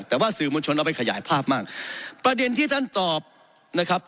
แต่ว่าสื่อมวลชนเราไปขยายภาพมากประเด็นที่ท่านตอบนะครับ